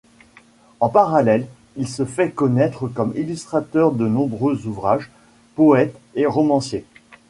En parallèle, il se fait connaître comme illustrateur de nombreux ouvrages, poète et romancier.